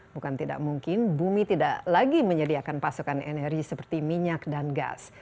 bukan tidak mungkin bumi tidak lagi menyediakan pasokan energi seperti minyak dan gas